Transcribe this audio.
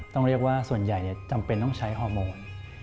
ต้องเรียกว่าส่วนใหญ่จำเป็นต้องใช้ฮอร์โมน